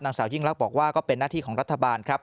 นางสาวยิ่งลักษณ์บอกว่าก็เป็นหน้าที่ของรัฐบาลครับ